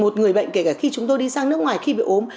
một người bệnh kể cả khi chúng tôi đi sang nước ngoài khi bị ốm